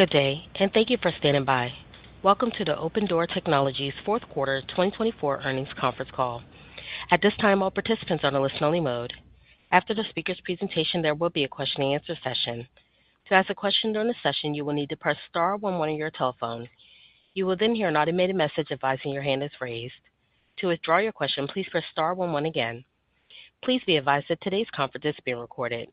Good day, and thank you for standing by. Welcome to the Opendoor Technologies Fourth Quarter 2024 Earnings Conference Call. At this time, all participants are in a listen-only mode. After the speaker's presentation, there will be a question-and-answer session. To ask a question during the session, you will need to press star one-one on your telephone. You will then hear an automated message advising your hand is raised. To withdraw your question, please press star one-one again. Please be advised that today's conference is being recorded.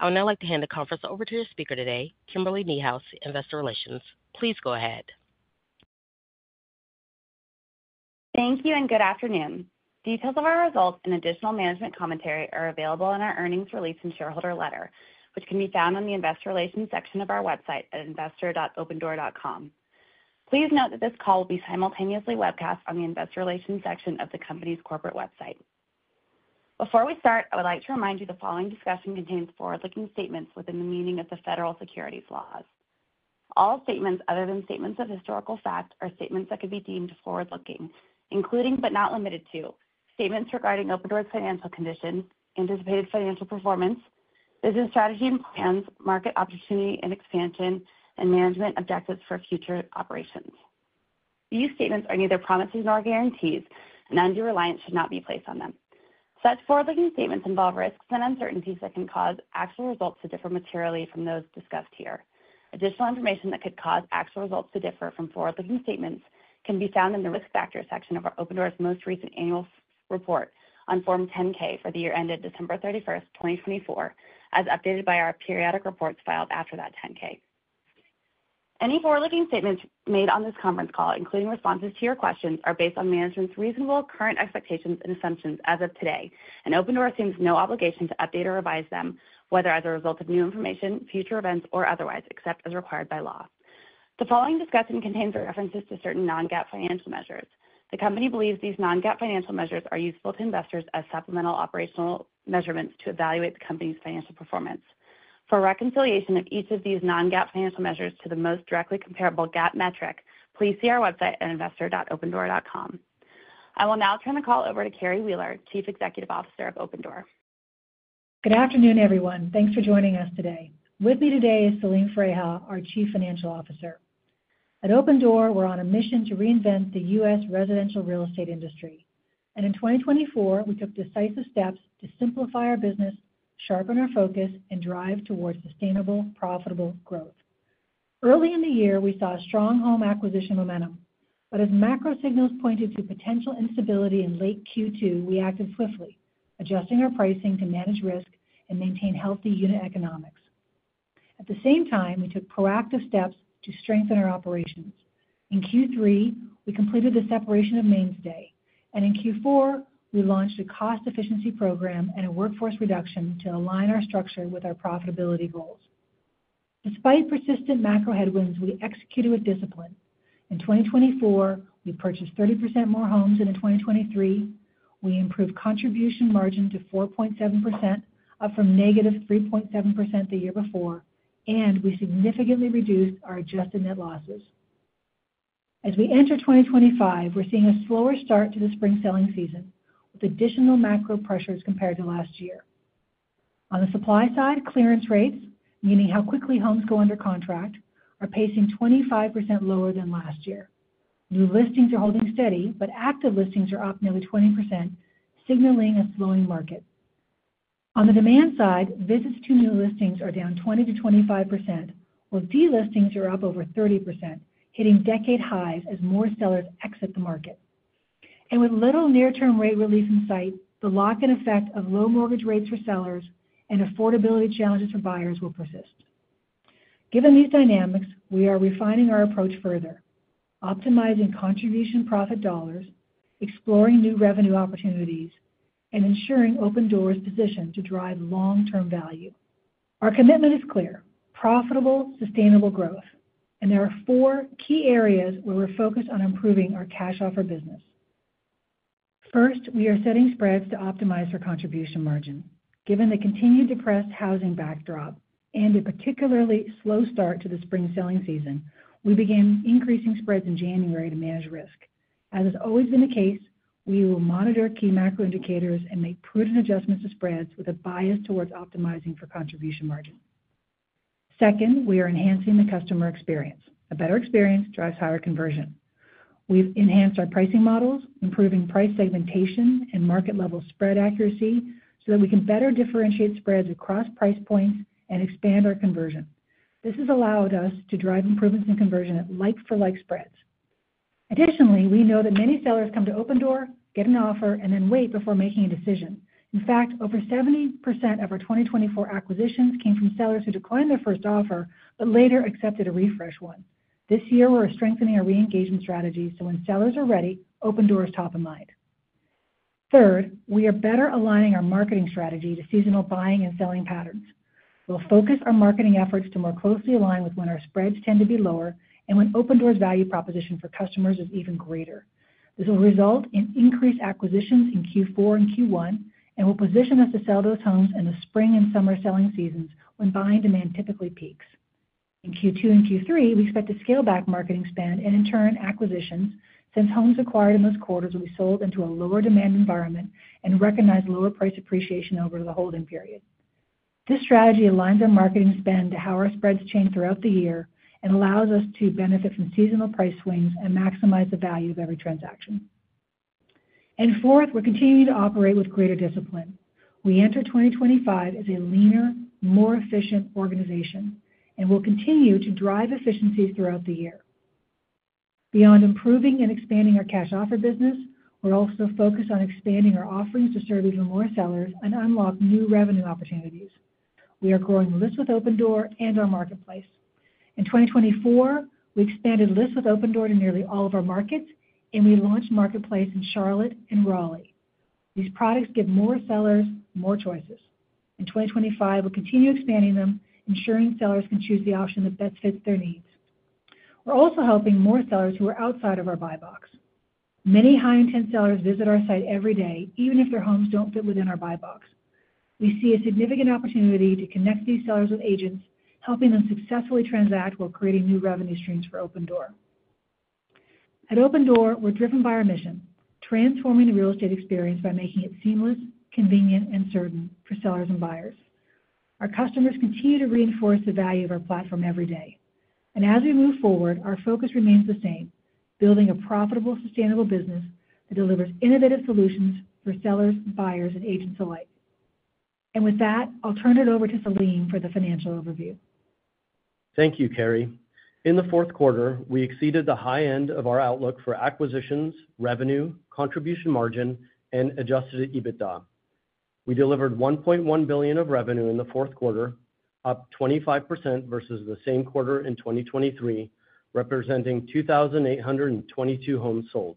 I would now like to hand the conference over to your speaker today, Kimberly Niehaus, Investor Relations. Please go ahead. Thank you, and good afternoon. Details of our results and additional management commentary are available in our earnings release and shareholder letter, which can be found on the Investor Relations section of our website at investor.opendoor.com. Please note that this call will be simultaneously webcast on the Investor Relations section of the company's corporate website. Before we start, I would like to remind you the following discussion contains forward-looking statements within the meaning of the federal securities laws. All statements other than statements of historical fact are statements that could be deemed forward-looking, including but not limited to statements regarding Opendoor's financial condition, anticipated financial performance, business strategy and plans, market opportunity and expansion, and management objectives for future operations. These statements are neither promises nor guarantees, and undue reliance should not be placed on them. Such forward-looking statements involve risks and uncertainties that can cause actual results to differ materially from those discussed here. Additional information that could cause actual results to differ from forward-looking statements can be found in the risk factor section of Opendoor's most recent annual report on Form 10-K for the year ended December 31st, 2024, as updated by our periodic reports filed after that 10-K. Any forward-looking statements made on this conference call, including responses to your questions, are based on management's reasonable current expectations and assumptions as of today, and Opendoor assumes no obligation to update or revise them, whether as a result of new information, future events, or otherwise, except as required by law. The following discussion contains references to certain non-GAAP financial measures. The company believes these non-GAAP financial measures are useful to investors as supplemental operational measurements to evaluate the company's financial performance. For reconciliation of each of these non-GAAP financial measures to the most directly comparable GAAP metric, please see our website at investor.opendoor.com. I will now turn the call over to Carrie Wheeler, Chief Executive Officer of Opendoor. Good afternoon, everyone. Thanks for joining us today. With me today is Selim Freiha, our Chief Financial Officer. At Opendoor, we're on a mission to reinvent the U.S. residential real estate industry. And in 2024, we took decisive steps to simplify our business, sharpen our focus, and drive towards sustainable, profitable growth. Early in the year, we saw a strong home acquisition momentum. But as macro signals pointed to potential instability in late Q2, we acted swiftly, adjusting our pricing to manage risk and maintain healthy unit economics. At the same time, we took proactive steps to strengthen our operations. In Q3, we completed the separation of Mainstay. And in Q4, we launched a cost-efficiency program and a workforce reduction to align our structure with our profitability goals. Despite persistent macro headwinds, we executed with discipline. In 2024, we purchased 30% more homes than in 2023. We improved contribution margin to 4.7%, up from -3.7% the year before, and we significantly reduced our adjusted net losses. As we enter 2025, we're seeing a slower start to the spring selling season, with additional macro pressures compared to last year. On the supply side, clearance rates, meaning how quickly homes go under contract, are pacing 25% lower than last year. New listings are holding steady, but active listings are up nearly 20%, signaling a slowing market. On the demand side, visits to new listings are down 20%-25%, while delistings are up over 30%, hitting decade highs as more sellers exit the market, and with little near-term rate relief in sight, the lock-in effect of low mortgage rates for sellers and affordability challenges for buyers will persist. Given these dynamics, we are refining our approach further, optimizing contribution profit dollars, exploring new revenue opportunities, and ensuring Opendoor's position to drive long-term value. Our commitment is clear: profitable, sustainable growth. And there are four key areas where we're focused on improving our cash offer business. First, we are setting spreads to optimize our contribution margin. Given the continued depressed housing backdrop and a particularly slow start to the spring selling season, we began increasing spreads in January to manage risk. As has always been the case, we will monitor key macro indicators and make prudent adjustments to spreads with a bias towards optimizing for contribution margin. Second, we are enhancing the customer experience. A better experience drives higher conversion. We've enhanced our pricing models, improving price segmentation and market-level spread accuracy so that we can better differentiate spreads across price points and expand our conversion. This has allowed us to drive improvements in conversion at like-for-like spreads. Additionally, we know that many sellers come to Opendoor, get an offer, and then wait before making a decision. In fact, over 70% of our 2024 acquisitions came from sellers who declined their first offer but later accepted a refresh one. This year, we're strengthening our re-engagement strategies so when sellers are ready, Opendoor is top of mind. Third, we are better aligning our marketing strategy to seasonal buying and selling patterns. We'll focus our marketing efforts to more closely align with when our spreads tend to be lower and when Opendoor's value proposition for customers is even greater. This will result in increased acquisitions in Q4 and Q1 and will position us to sell those homes in the spring and summer selling seasons when buying demand typically peaks. In Q2 and Q3, we expect to scale back marketing spend and, in turn, acquisitions since homes acquired in those quarters will be sold into a lower-demand environment and recognize lower price appreciation over the holding period. This strategy aligns our marketing spend to how our spreads change throughout the year and allows us to benefit from seasonal price swings and maximize the value of every transaction. And fourth, we're continuing to operate with greater discipline. We enter 2025 as a leaner, more efficient organization, and we'll continue to drive efficiencies throughout the year. Beyond improving and expanding our cash offer business, we're also focused on expanding our offerings to serve even more sellers and unlock new revenue opportunities. We are growing List with Opendoor and our Marketplace. In 2024, we expanded List with Opendoor to nearly all of our markets, and we launched Marketplace in Charlotte and Raleigh. These products give more sellers more choices. In 2025, we'll continue expanding them, ensuring sellers can choose the option that best fits their needs. We're also helping more sellers who are outside of our Buy Box. Many high-intent sellers visit our site every day, even if their homes don't fit within our Buy Box. We see a significant opportunity to connect these sellers with agents, helping them successfully transact while creating new revenue streams for Opendoor. At Opendoor, we're driven by our mission: transforming the real estate experience by making it seamless, convenient, and certain for sellers and buyers. Our customers continue to reinforce the value of our platform every day. And as we move forward, our focus remains the same: building a profitable, sustainable business that delivers innovative solutions for sellers, buyers, and agents alike. And with that, I'll turn it over to Selim for the financial overview. Thank you, Carrie. In the fourth quarter, we exceeded the high end of our outlook for acquisitions, revenue, contribution margin, and adjusted EBITDA. We delivered $1.1 billion of revenue in the fourth quarter, up 25% versus the same quarter in 2023, representing 2,822 homes sold.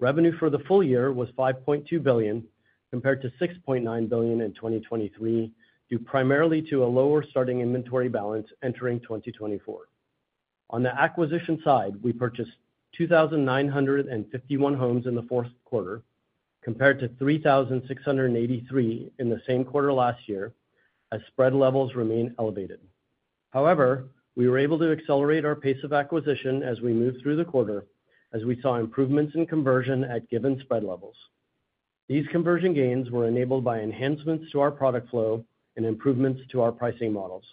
Revenue for the full year was $5.2 billion, compared to $6.9 billion in 2023, due primarily to a lower starting inventory balance entering 2024. On the acquisition side, we purchased 2,951 homes in the fourth quarter, compared to 3,683 in the same quarter last year, as spread levels remain elevated. However, we were able to accelerate our pace of acquisition as we moved through the quarter, as we saw improvements in conversion at given spread levels. These conversion gains were enabled by enhancements to our product flow and improvements to our pricing models.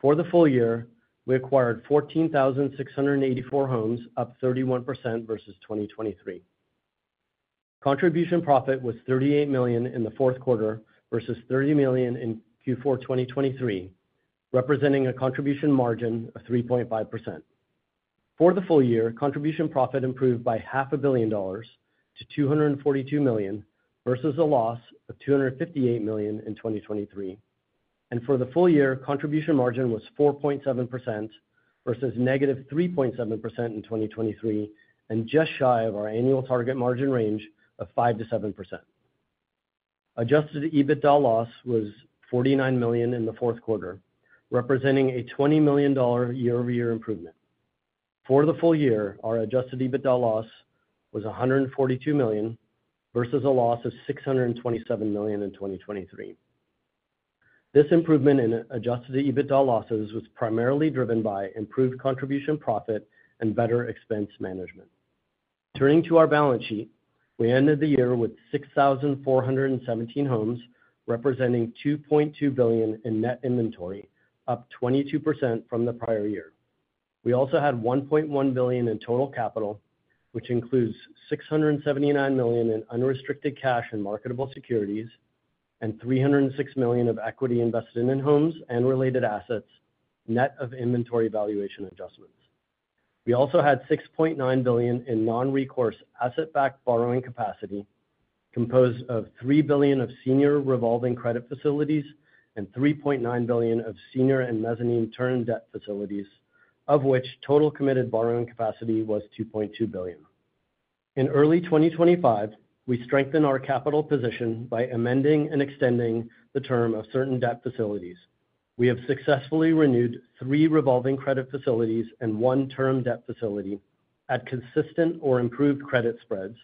For the full year, we acquired 14,684 homes, up 31% versus 2023. Contribution profit was $38 million in the fourth quarter versus $30 million in Q4 2023, representing a contribution margin of 3.5%. For the full year, contribution profit improved by $500 million to $242 million versus a loss of $258 million in 2023. And for the full year, contribution margin was 4.7% versus -3.7% in 2023, and just shy of our annual target margin range of 5%-7%. Adjusted EBITDA loss was $49 million in the fourth quarter, representing a $20 million year-over-year improvement. For the full year, our adjusted EBITDA loss was $142 million versus a loss of $627 million in 2023. This improvement in adjusted EBITDA losses was primarily driven by improved contribution profit and better expense management. Turning to our balance sheet, we ended the year with 6,417 homes representing $2.2 billion in net inventory, up 22% from the prior year. We also had $1.1 billion in total capital, which includes $679 million in unrestricted cash and marketable securities, and $306 million of equity invested in homes and related assets, net of inventory valuation adjustments. We also had $6.9 billion in non-recourse asset-backed borrowing capacity, composed of $3 billion of senior revolving credit facilities and $3.9 billion of senior and mezzanine term debt facilities, of which total committed borrowing capacity was $2.2 billion. In early 2025, we strengthened our capital position by amending and extending the term of certain debt facilities. We have successfully renewed three revolving credit facilities and one term debt facility at consistent or improved credit spreads,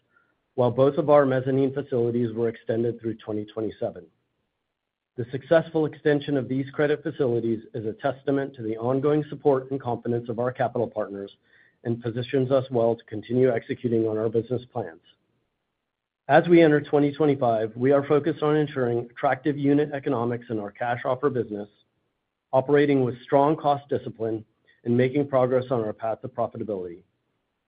while both of our mezzanine facilities were extended through 2027. The successful extension of these credit facilities is a testament to the ongoing support and confidence of our capital partners and positions us well to continue executing on our business plans. As we enter 2025, we are focused on ensuring attractive unit economics in our cash offer business, operating with strong cost discipline, and making progress on our path to profitability.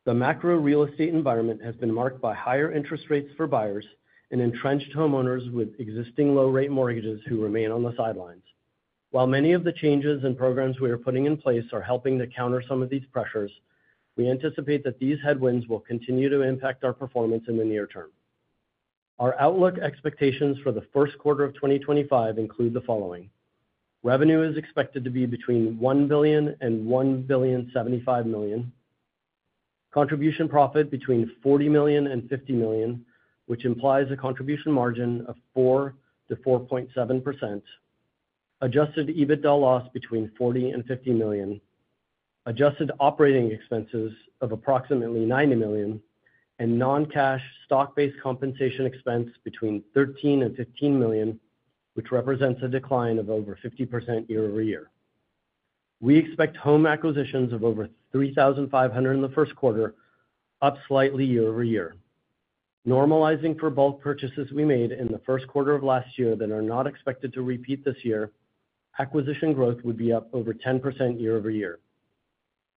The macro real estate environment has been marked by higher interest rates for buyers and entrenched homeowners with existing low-rate mortgages who remain on the sidelines. While many of the changes and programs we are putting in place are helping to counter some of these pressures, we anticipate that these headwinds will continue to impact our performance in the near term. Our outlook expectations for the first quarter of 2025 include the following: revenue is expected to be between $1 billion and $1.075 billion, contribution profit between $40 million and $50 million, which implies a contribution margin of 4% to 4.7%, adjusted EBITDA loss between $40 million and $50 million, adjusted operating expenses of approximately $90 million, and non-cash stock-based compensation expense between $13 million and $15 million, which represents a decline of over 50% year-over-year. We expect home acquisitions of over 3,500 in the first quarter, up slightly year-over-year. Normalizing for bulk purchases we made in the first quarter of last year that are not expected to repeat this year, acquisition growth would be up over 10% year-over-year.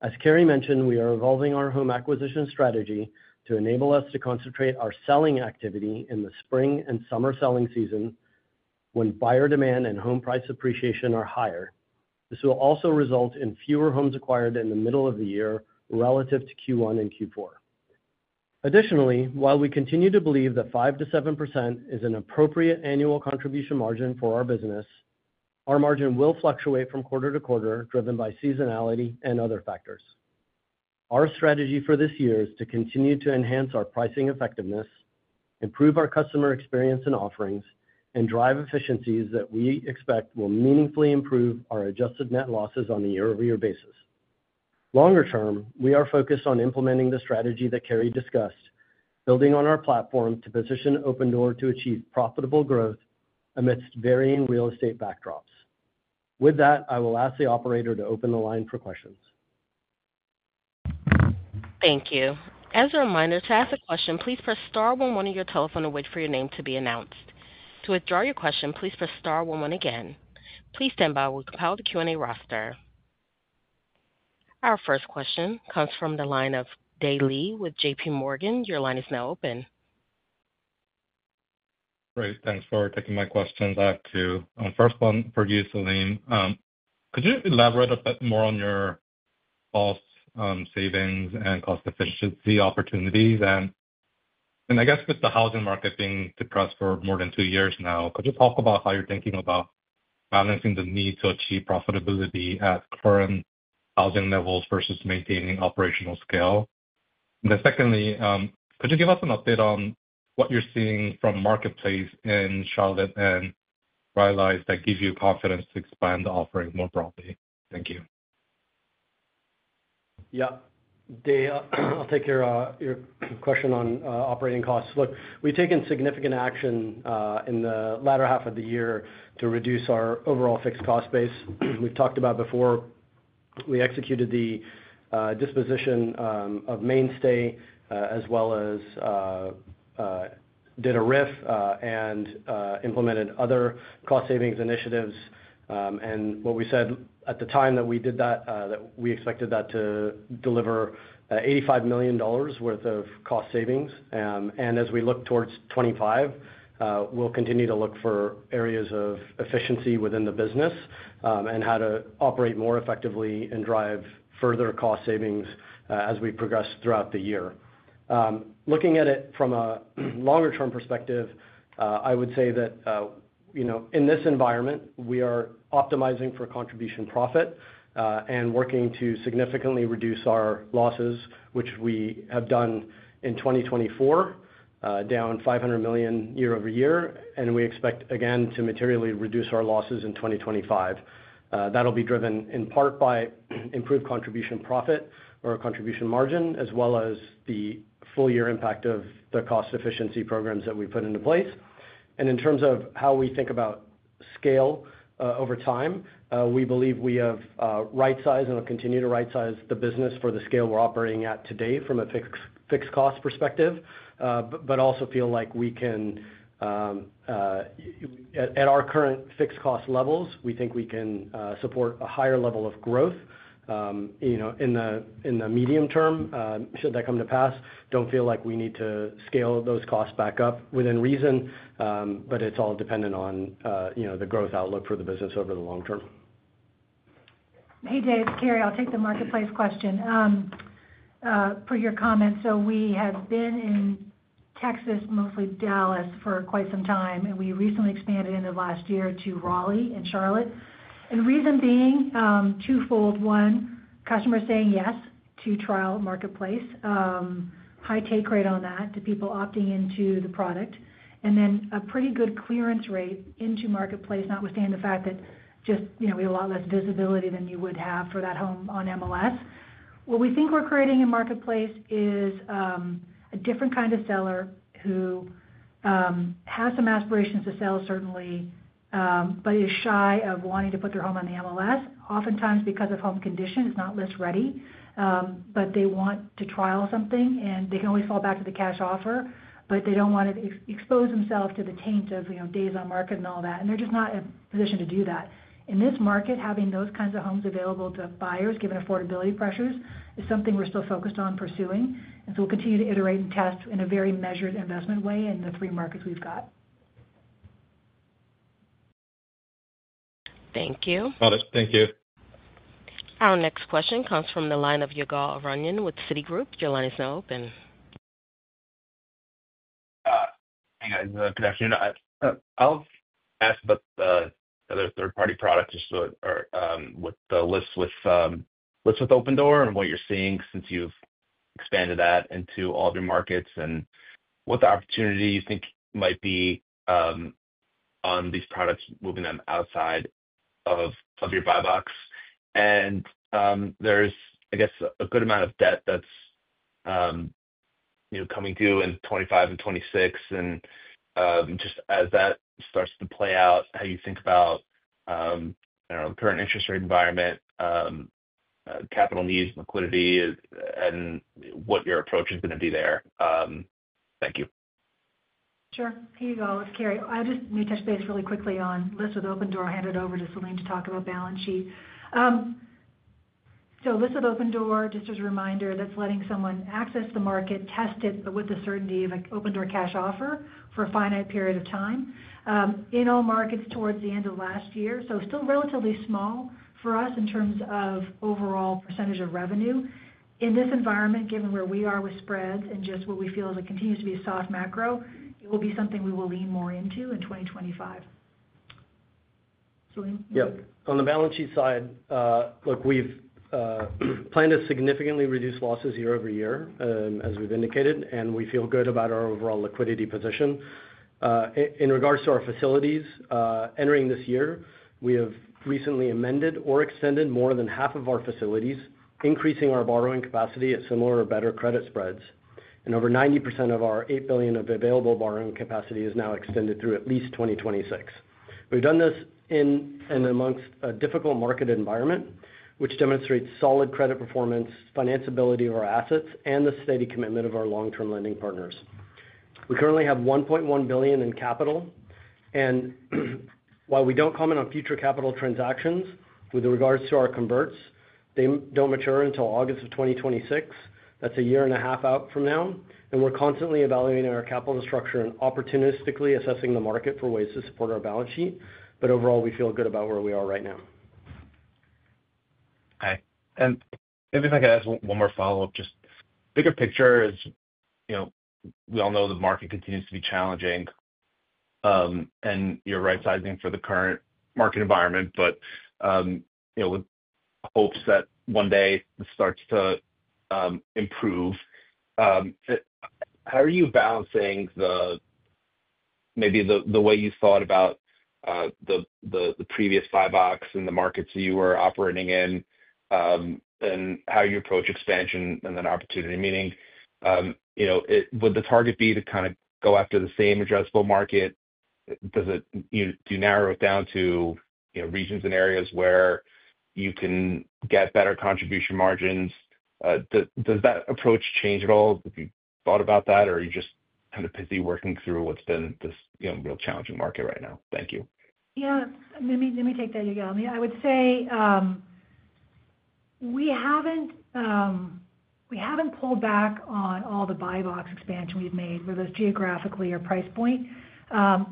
As Carrie mentioned, we are evolving our home acquisition strategy to enable us to concentrate our selling activity in the spring and summer selling season when buyer demand and home price appreciation are higher. This will also result in fewer homes acquired in the middle of the year relative to Q1 and Q4. Additionally, while we continue to believe that 5%-7% is an appropriate annual contribution margin for our business, our margin will fluctuate from quarter to quarter, driven by seasonality and other factors. Our strategy for this year is to continue to enhance our pricing effectiveness, improve our customer experience and offerings, and drive efficiencies that we expect will meaningfully improve our adjusted net losses on a year-over-year basis. Longer term, we are focused on implementing the strategy that Carrie discussed, building on our platform to position Opendoor to achieve profitable growth amidst varying real estate backdrops. With that, I will ask the operator to open the line for questions. Thank you. As a reminder, to ask a question, please press star one-one on your telephone and wait for your name to be announced. To withdraw your question, please press star 11 again. Please stand by while we compile the Q&A roster. Our first question comes from the line of Dae Lee with JPMorgan. Your line is now open. Great. Thanks for taking my questions as well. First one, for you, Selim. Could you elaborate a bit more on your cost savings and cost efficiency opportunities? And I guess with the housing market being depressed for more than two years now, could you talk about how you're thinking about balancing the need to achieve profitability at current housing levels versus maintaining operational scale? And then secondly, could you give us an update on what you're seeing from Marketplace in Charlotte and Raleigh that gives you confidence to expand the offering more broadly? Thank you. Yeah. I'll take your question on operating costs. Look, we've taken significant action in the latter half of the year to reduce our overall fixed cost base. We've talked about before. We executed the disposition of Mainstay as well as did a RIF and implemented other cost savings initiatives, and what we said at the time that we did that, that we expected that to deliver $85 million worth of cost savings, and as we look towards 2025, we'll continue to look for areas of efficiency within the business and how to operate more effectively and drive further cost savings as we progress throughout the year. Looking at it from a longer-term perspective, I would say that in this environment, we are optimizing for contribution profit and working to significantly reduce our losses, which we have done in 2024, down $500 million year-over-year. We expect, again, to materially reduce our losses in 2025. That'll be driven in part by improved contribution profit or contribution margin, as well as the full-year impact of the cost efficiency programs that we've put into place. In terms of how we think about scale over time, we believe we have right-sized and will continue to right-size the business for the scale we're operating at today from a fixed cost perspective, but also feel like we can, at our current fixed cost levels, we think we can support a higher level of growth in the medium term. Should that come to pass, don't feel like we need to scale those costs back up within reason, but it's all dependent on the growth outlook for the business over the long term. Hey, Dae. Carrie, I'll take the Marketplace question for your comment. So we have been in Texas, mostly Dallas, for quite some time, and we recently expanded in the last year to Raleigh and Charlotte. And reason being twofold. One, customers saying yes to trial Marketplace, high take rate on that, to people opting into the product, and then a pretty good clearance rate into Marketplace, notwithstanding the fact that just we have a lot less visibility than you would have for that home on MLS. What we think we're creating in Marketplace is a different kind of seller who has some aspirations to sell, certainly, but is shy of wanting to put their home on the MLS, oftentimes because of home conditions. It's not list ready, but they want to trial something, and they can always fall back to the cash offer, but they don't want to expose themselves to the taint of days on market and all that, and they're just not in a position to do that. In this market, having those kinds of homes available to buyers, given affordability pressures, is something we're still focused on pursuing, and so we'll continue to iterate and test in a very measured investment way in the three markets we've got. Thank you. Got it. Thank you. Our next question comes from the line of Ygal Arounian with Citigroup. Your line is now open. Hey, guys. Good afternoon. I'll ask about the other third-party products with the List with Opendoor and what you're seeing since you've expanded that into all of your markets and what the opportunity you think might be on these products, moving them outside of your Buy Box. And there's, I guess, a good amount of debt that's coming due in 2025 and 2026. And just as that starts to play out, how you think about, I don't know, current interest rate environment, capital needs, liquidity, and what your approach is going to be there. Thank you. Sure. Hey, Ygal, with Carrie. I just need to touch base really quickly on List with Opendoor. I'll hand it over to Selim to talk about balance sheet. So List with Opendoor, just as a reminder, that's letting someone access the market, test it, but with the certainty of an Opendoor Cash Offer for a finite period of time in all markets towards the end of last year. So still relatively small for us in terms of overall percentage of revenue. In this environment, given where we are with spreads and just what we feel is it continues to be a soft macro, it will be something we will lean more into in 2025. Selim? Yeah. On the balance sheet side, look, we've planned to significantly reduce losses year-over-year, as we've indicated, and we feel good about our overall liquidity position. In regards to our facilities, entering this year, we have recently amended or extended more than half of our facilities, increasing our borrowing capacity at similar or better credit spreads. And over 90% of our $8 billion of available borrowing capacity is now extended through at least 2026. We've done this in and amongst a difficult market environment, which demonstrates solid credit performance, financeability of our assets, and the steady commitment of our long-term lending partners. We currently have $1.1 billion in capital. And while we don't comment on future capital transactions with regards to our converts, they don't mature until August of 2026. That's a year and a half out from now. We’re constantly evaluating our capital structure and opportunistically assessing the market for ways to support our balance sheet. Overall, we feel good about where we are right now. Okay. And maybe if I could ask one more follow-up. Just bigger picture, is we all know the market continues to be challenging and you're right-sizing for the current market environment, but with hopes that one day this starts to improve. How are you balancing maybe the way you thought about the previous Buy Box and the markets you were operating in and how you approach expansion and then opportunity? Meaning, would the target be to kind of go after the same addressable market? Do you narrow it down to regions and areas where you can get better contribution margins? Does that approach change at all if you thought about that, or are you just kind of busy working through what's been this real challenging market right now? Thank you. Yeah. Let me take that, Ygal. I would say we haven't pulled back on all the Buy Box expansion we've made for those geographies or price points.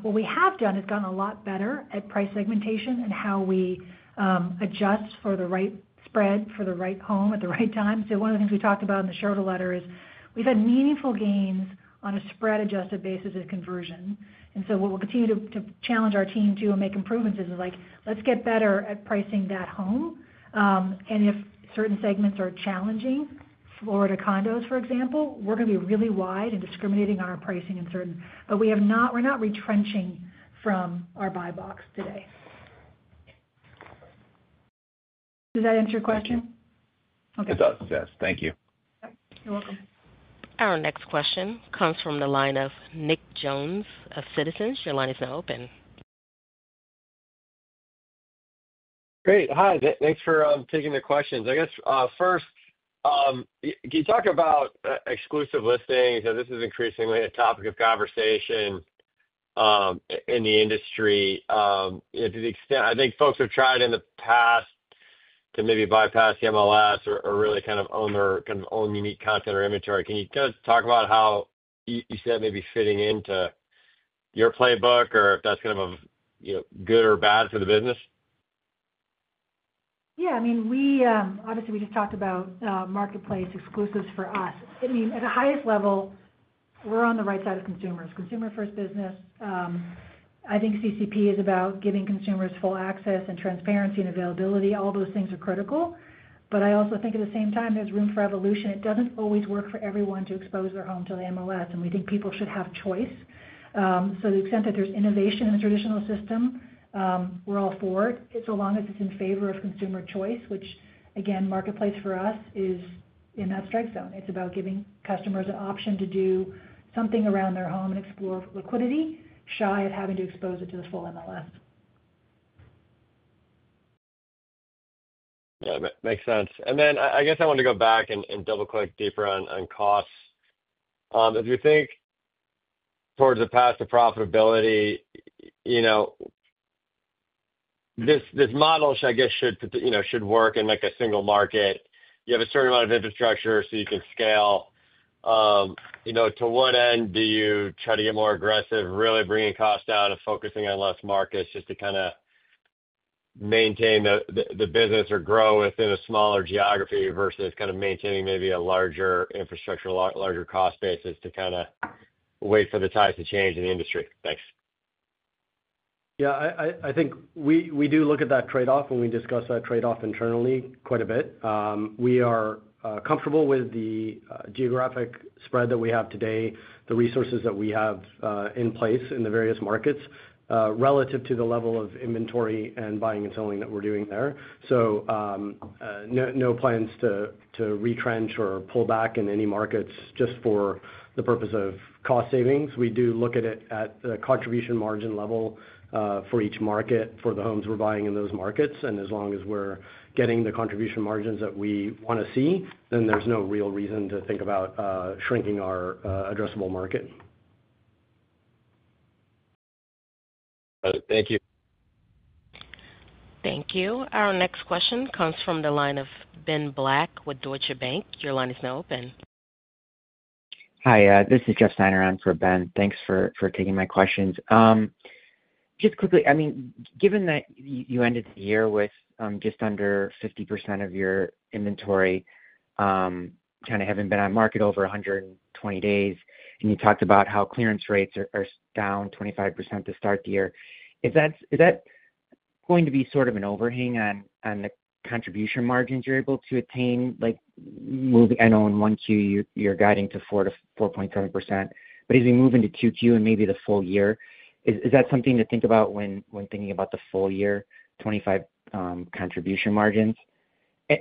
What we have done is gotten a lot better at price segmentation and how we adjust for the right spread for the right home at the right time. So one of the things we talked about in the shareholder letter is we've had meaningful gains on a spread-adjusted basis in conversion. And so what we'll continue to challenge our team to and make improvements is like, let's get better at pricing that home. And if certain segments are challenging, Florida condos, for example, we're going to be really wide and discriminating on our pricing in certain—but we're not retrenching from our Buy Box today. Does that answer your question? Yes. Okay. It does. Yes. Thank you. You're welcome. Our next question comes from the line of Nick Jones of Citizens. Your line is now open. Great. Hi. Thanks for taking the questions. I guess first, can you talk about exclusive listing? This is increasingly a topic of conversation in the industry. To the extent I think folks have tried in the past to maybe bypass the MLS or really kind of own their kind of own unique content or inventory, can you kind of talk about how you see that maybe fitting into your playbook or if that's kind of good or bad for the business? Yeah. I mean, obviously, we just talked about marketplace exclusives for us. I mean, at the highest level, we're on the right side of consumers. Consumer-first business. I think CCP is about giving consumers full access and transparency and availability. All those things are critical. But I also think at the same time, there's room for evolution. It doesn't always work for everyone to expose their home to the MLS. And we think people should have choice. So to the extent that there's innovation in the traditional system, we're all for it, so long as it's in favor of consumer choice, which, again, marketplace for us is in that strike zone. It's about giving customers an option to do something around their home and explore liquidity, shy of having to expose it to the full MLS. Yeah. Makes sense. And then I guess I want to go back and double-click deeper on costs. As we think towards the path of profitability, this model, I guess, should work in a single market. You have a certain amount of infrastructure so you can scale. To what end do you try to get more aggressive, really bringing costs down and focusing on less markets just to kind of maintain the business or grow within a smaller geography versus kind of maintaining maybe a larger infrastructure, larger cost basis to kind of wait for the tides to change in the industry? Thanks. Yeah. I think we do look at that trade-off, and we discuss that trade-off internally quite a bit. We are comfortable with the geographic spread that we have today, the resources that we have in place in the various markets relative to the level of inventory and buying and selling that we're doing there. So no plans to retrench or pull back in any markets just for the purpose of cost savings. We do look at it at the contribution margin level for each market for the homes we're buying in those markets. And as long as we're getting the contribution margins that we want to see, then there's no real reason to think about shrinking our addressable market. Got it. Thank you. Thank you. Our next question comes from the line of Ben Black with Deutsche Bank. Your line is now open. Hi. This is Jay Steiner. I'm for Ben. Thanks for taking my questions. Just quickly, I mean, given that you ended the year with just under 50% of your inventory, kind of having been on market over 120 days, and you talked about how clearance rates are down 25% to start the year. Is that going to be sort of an overhang on the contribution margins you're able to attain? I know in 1Q, you're guiding to 4.7%. But as we move into 2Q and maybe the full year, is that something to think about when thinking about the full-year 2025 contribution margins?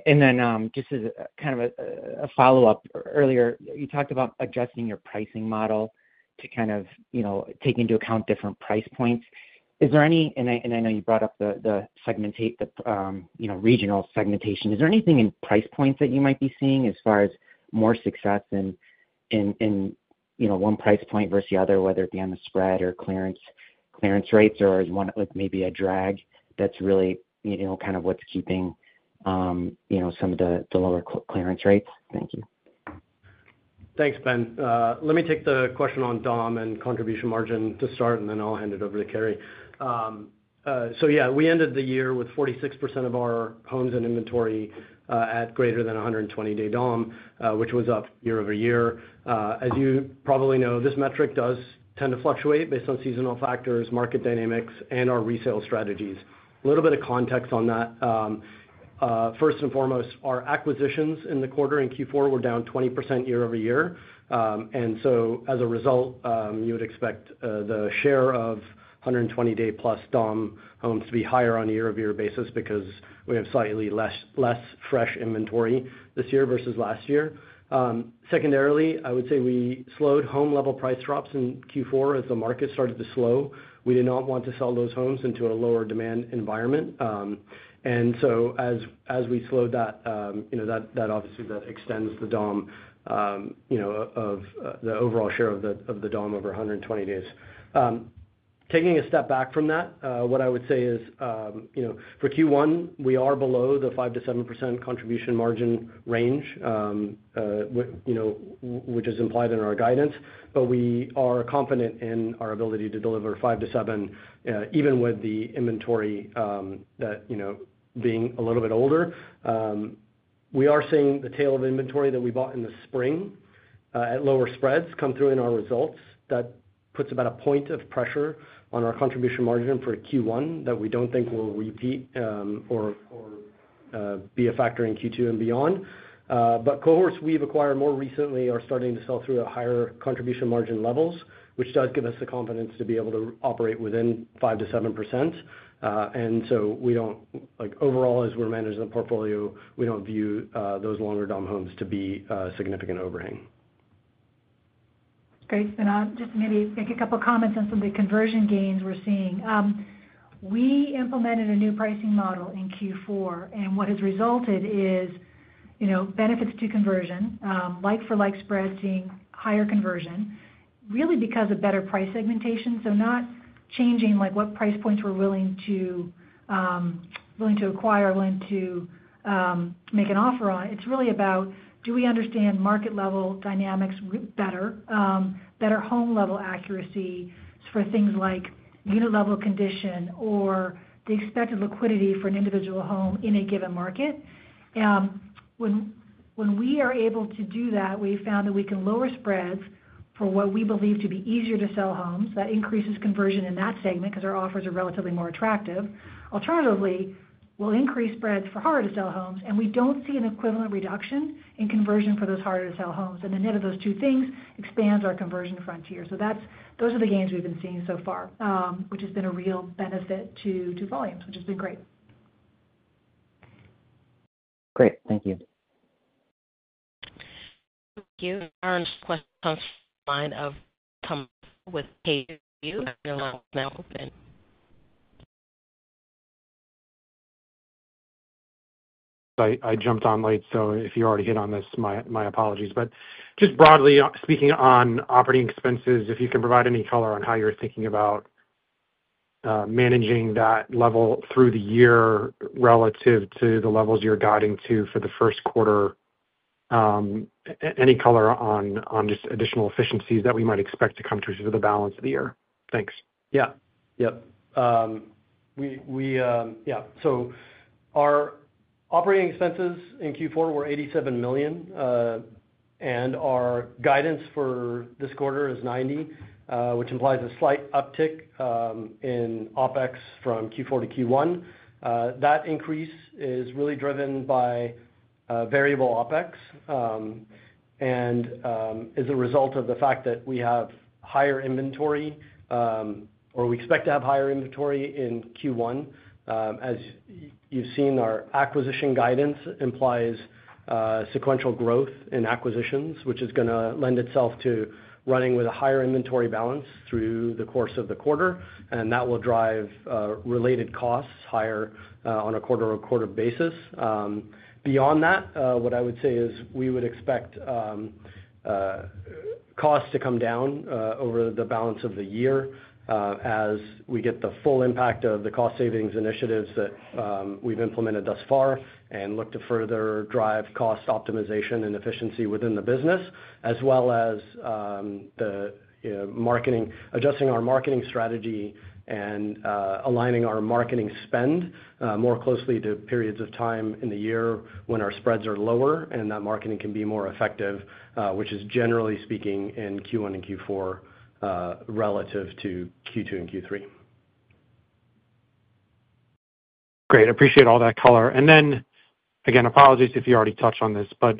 And then just as kind of a follow-up, earlier, you talked about adjusting your pricing model to kind of take into account different price points. Is there any, and I know you brought up the regional segmentation, is there anything in price points that you might be seeing as far as more success in one price point versus the other, whether it be on the spread or clearance rates or maybe a drag that's really kind of what's keeping some of the lower clearance rates? Thank you. Thanks, Ben. Let me take the question on DOM and contribution margin to start, and then I'll hand it over to Carrie. So yeah, we ended the year with 46% of our homes and inventory at greater than 120-day DOM, which was up year over year. As you probably know, this metric does tend to fluctuate based on seasonal factors, market dynamics, and our resale strategies. A little bit of context on that. First and foremost, our acquisitions in the quarter in Q4 were down 20% year over year. And so as a result, you would expect the share of 120-day plus DOM homes to be higher on a year-over-year basis because we have slightly less fresh inventory this year versus last year. Secondarily, I would say we slowed home-level price drops in Q4 as the market started to slow. We did not want to sell those homes into a lower demand environment, and so as we slowed that, that obviously extends the DOM of the overall share of the DOM over 120 days. Taking a step back from that, what I would say is for Q1, we are below the 5%-7% contribution margin range, which is implied in our guidance, but we are confident in our ability to deliver 5%-7%, even with the inventory being a little bit older. We are seeing the tail of inventory that we bought in the spring at lower spreads come through in our results. That puts about a point of pressure on our contribution margin for Q1 that we don't think will repeat or be a factor in Q2 and beyond. But cohorts we've acquired more recently are starting to sell through at higher contribution margin levels, which does give us the confidence to be able to operate within 5%-7%. And so overall, as we're managing the portfolio, we don't view those longer DOM homes to be a significant overhang. Great, and I'll just maybe make a couple of comments on some of the conversion gains we're seeing. We implemented a new pricing model in Q4, and what has resulted is benefits to conversion, like-for-like spreads seeing higher conversion, really because of better price segmentation, so not changing what price points we're willing to acquire, willing to make an offer on. It's really about, do we understand market-level dynamics better, better home-level accuracy for things like unit-level condition or the expected liquidity for an individual home in a given market? When we are able to do that, we found that we can lower spreads for what we believe to be easier to sell homes. That increases conversion in that segment because our offers are relatively more attractive. Alternatively, we'll increase spreads for harder-to-sell homes, and we don't see an equivalent reduction in conversion for those harder-to-sell homes. And the net of those two things expands our conversion frontier. So those are the gains we've been seeing so far, which has been a real benefit to volumes, which has been great. Great. Thank you. Thank you. I jumped on late, so if you already hit on this, my apologies. But just broadly speaking on operating expenses, if you can provide any color on how you're thinking about managing that level through the year relative to the levels you're guiding to for the first quarter, any color on just additional efficiencies that we might expect to come to for the balance of the year? Thanks. Yeah. Yep. Yeah. So our operating expenses in Q4 were $87 million, and our guidance for this quarter is $90 million, which implies a slight uptick in OpEx from Q4-Q1. That increase is really driven by variable OpEx and is a result of the fact that we have higher inventory or we expect to have higher inventory in Q1. As you've seen, our acquisition guidance implies sequential growth in acquisitions, which is going to lend itself to running with a higher inventory balance through the course of the quarter, and that will drive related costs higher on a quarter-on-quarter basis. Beyond that, what I would say is we would expect costs to come down over the balance of the year as we get the full impact of the cost savings initiatives that we've implemented thus far and look to further drive cost optimization and efficiency within the business, as well as adjusting our marketing strategy and aligning our marketing spend more closely to periods of time in the year when our spreads are lower and that marketing can be more effective, which is generally speaking in Q1 and Q4 relative to Q2 and Q3. Great. Appreciate all that color. And then, again, apologies if you already touched on this, but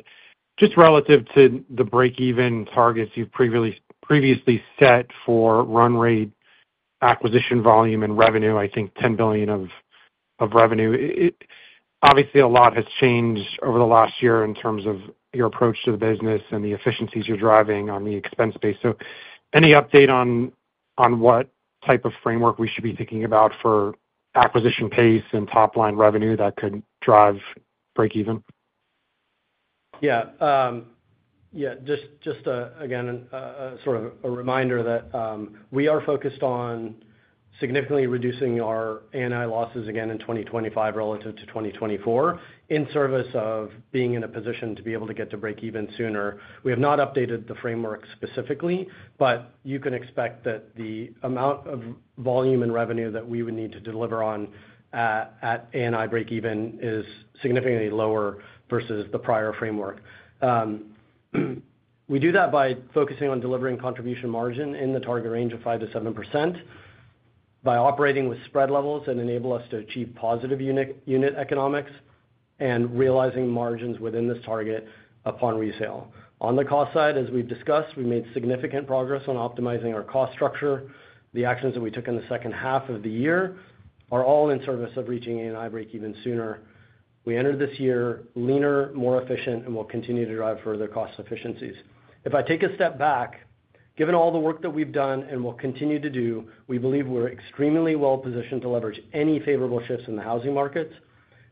just relative to the break-even targets you've previously set for run rate, acquisition volume, and revenue, I think $10 billion of revenue, obviously a lot has changed over the last year in terms of your approach to the business and the efficiencies you're driving on the expense base. So any update on what type of framework we should be thinking about for acquisition pace and top-line revenue that could drive break-even? Yeah. Yeah. Just again, sort of a reminder that we are focused on significantly reducing our ANI losses again in 2025 relative to 2024 in service of being in a position to be able to get to break-even sooner. We have not updated the framework specifically, but you can expect that the amount of volume and revenue that we would need to deliver on at ANI break-even is significantly lower versus the prior framework. We do that by focusing on delivering contribution margin in the target range of 5%-7%, by operating with spread levels that enable us to achieve positive unit economics, and realizing margins within this target upon resale. On the cost side, as we've discussed, we made significant progress on optimizing our cost structure. The actions that we took in the second half of the year are all in service of reaching ANI break-even sooner. We entered this year leaner, more efficient, and will continue to drive further cost efficiencies. If I take a step back, given all the work that we've done and will continue to do, we believe we're extremely well-positioned to leverage any favorable shifts in the housing markets.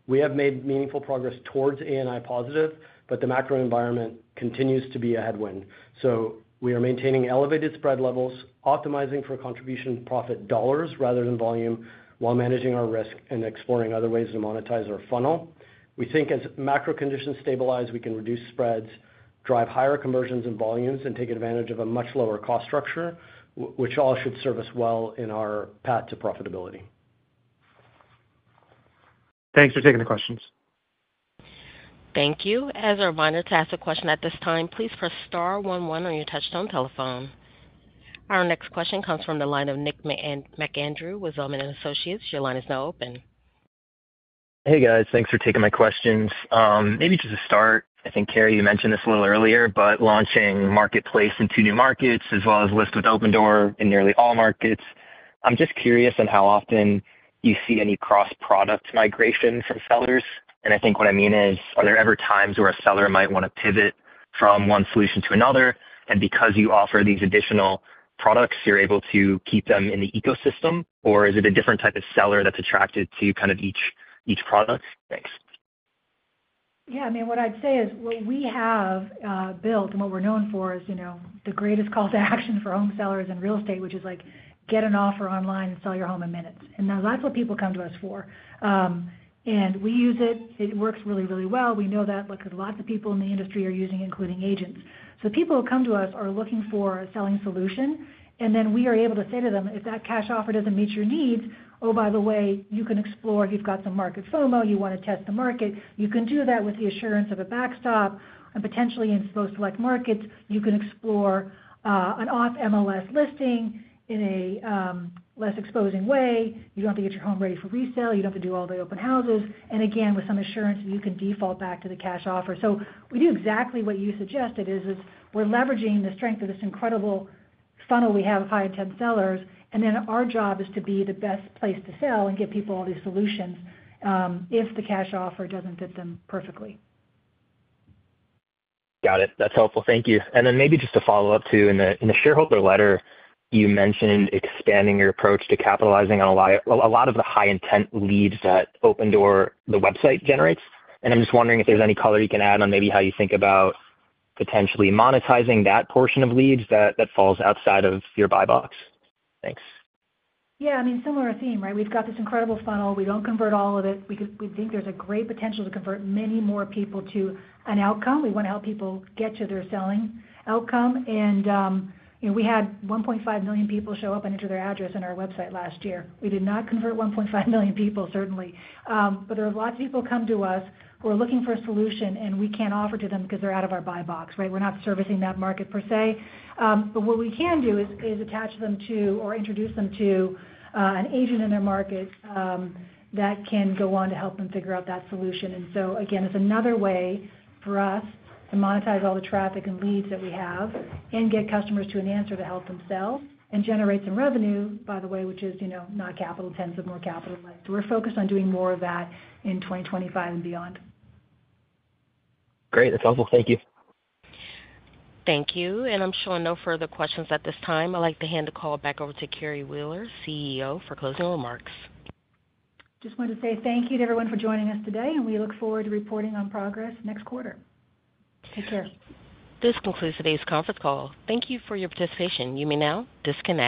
We have made meaningful progress towards EBITDA positive, but the macro environment continues to be a headwind. So we are maintaining elevated spread levels, optimizing for contribution profit dollars rather than volume while managing our risk and exploring other ways to monetize our funnel. We think as macro conditions stabilize, we can reduce spreads, drive higher conversions and volumes, and take advantage of a much lower cost structure, which all should serve us well in our path to profitability. Thanks for taking the questions. Thank you. As a reminder to ask a question at this time, please press star one-one on your touch-tone telephone. Our next question comes from the line of Nick McAndrew with Zelman & Associates. Your line is now open. Hey, guys. Thanks for taking my questions. Maybe just to start, I think Carrie, you mentioned this a little earlier, but launching Marketplace in two new markets as well as List with Opendoor in nearly all markets. I'm just curious on how often you see any cross-product migration from sellers. And I think what I mean is, are there ever times where a seller might want to pivot from one solution to another? And because you offer these additional products, you're able to keep them in the ecosystem, or is it a different type of seller that's attracted to kind of each product? Thanks. Yeah. I mean, what I'd say is what we have built and what we're known for is the greatest call to action for home sellers in real estate, which is get an offer online and sell your home in minutes. And that's what people come to us for. And we use it. It works really, really well. We know that because lots of people in the industry are using it, including agents. So people who come to us are looking for a selling solution. And then we are able to say to them, "If that cash offer doesn't meet your needs, oh, by the way, you can explore. If you've got some market FOMO, you want to test the market, you can do that with the assurance of a backstop. And potentially in those select markets, you can explore an off-MLS listing in a less exposing way. You don't have to get your home ready for resale. You don't have to do all the open houses," and again, with some assurance, you can default back to the cash offer. So we do exactly what you suggested is we're leveraging the strength of this incredible funnel we have of high-intent sellers, and then our job is to be the best place to sell and give people all these solutions if the cash offer doesn't fit them perfectly. Got it. That's helpful. Thank you. And then maybe just to follow-up too, in the shareholder letter, you mentioned expanding your approach to capitalizing on a lot of the high-intent leads that Opendoor, the website, generates. And I'm just wondering if there's any color you can add on maybe how you think about potentially monetizing that portion of leads that falls outside of your Buy Box. Thanks. Yeah. I mean, similar theme, right? We've got this incredible funnel. We don't convert all of it. We think there's a great potential to convert many more people to an outcome. We want to help people get to their selling outcome. And we had 1.5 million people show up and enter their address on our website last year. We did not convert 1.5 million people, certainly. But there are lots of people who come to us who are looking for a solution, and we can't offer to them because they're out of our Buy Box, right? We're not servicing that market per se. But what we can do is attach them to or introduce them to an agent in their market that can go on to help them figure out that solution. And so, again, it's another way for us to monetize all the traffic and leads that we have and get customers to an answer to help them sell and generate some revenue, by the way, which is not capital intensive, more capital-led. So we're focused on doing more of that in 2025 and beyond. Great. That's helpful. Thank you. Thank you. I'm sure no further questions at this time. I'd like to hand the call back over to Carrie Wheeler, CEO, for closing remarks. Just wanted to say thank you to everyone for joining us today, and we look forward to reporting on progress next quarter. Take care. This concludes today's conference call. Thank you for your participation. You may now disconnect.